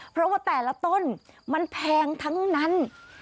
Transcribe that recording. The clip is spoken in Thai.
เพราะว่าแต่ละต้นมันแพงทั้งนั้น